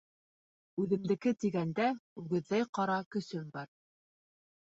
Үҙемдеке тигәндә, үгеҙҙәй ҡара көсөм бар